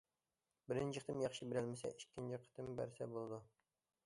بىرىنچى قېتىم ياخشى بېرەلمىسە ئىككىنچى قېتىم بەرسە بولىدۇ.